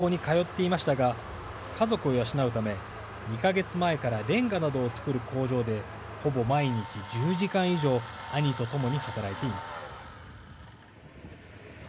これまで学校に通っていましたが家族を養うため２か月前からレンガなどを作る工場でほぼ毎日１０時間以上兄とともに働いています。